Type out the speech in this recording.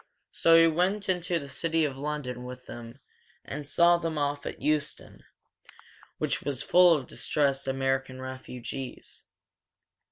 So he went into the city of London with them and saw them off at Euston, which was full of distressed American refugees.